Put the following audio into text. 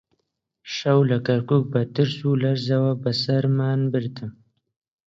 شەو لە کەرکووک بە ترس و لەرزەوە بەسەرمان برد